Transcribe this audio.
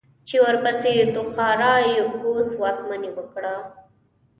چې ورپسې توخارا يبگوس واکمني وکړه.